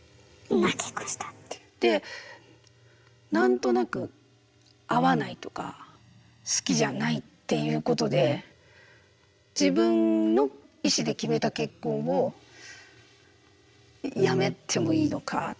で何となく合わないとか好きじゃないっていうことで自分の意思で決めた結婚をやめてもいいのか。